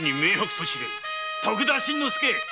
徳田新之助。